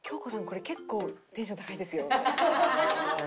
これ結構テンション高いですよ」みたいな。